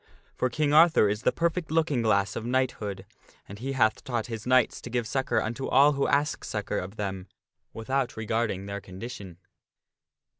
For King Arthur is the perfect looking glass of knighthood, and he hath taught his knights to give succor unto all who ask succor of them, without regarding their condition.